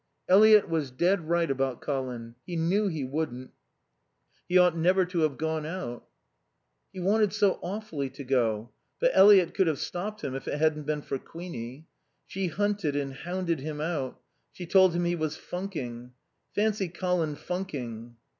"Eliot was dead right about Colin. He knew he wouldn't. He ought never to have gone out." "He wanted so awfully to go. But Eliot could have stopped him if it hadn't been for Queenie. She hunted and hounded him out. She told him he was funking. Fancy Colin funking!"